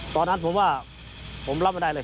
ตอนนั้นผมว่าผมรับไม่ได้เลย